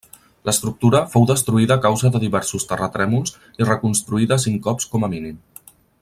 L'estructura fou destruïda a causa de diversos terratrèmols, i reconstruïda cinc cops com a mínim.